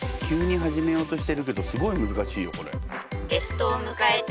急に始めようとしてるけどすごい難しいよこれ。